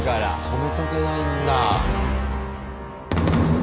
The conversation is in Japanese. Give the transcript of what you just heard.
泊めとけないんだ。